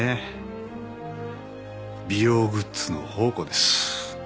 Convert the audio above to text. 美容グッズの宝庫です。